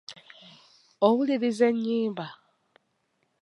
Owuliriza ennyimba?